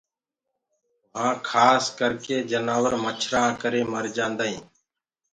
وهآن کآس ڪرڪي جنآور مڇرآن ڪري مر جآندآهين